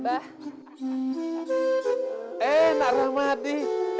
eh nak rahmadi